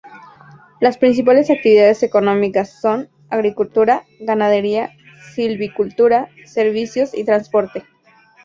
Las principales actividades económicas son: agricultura, ganadería, silvicultura, servicios y transporte.